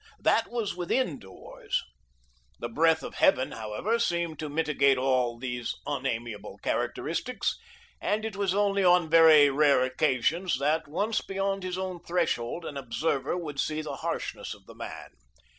That was within doors. The breath of heaven, however, seemed to mitigate all these unamiable characteristics, and it was only on very rare occasions that, once beyond his own threshold, an observer would see the harshness of the man.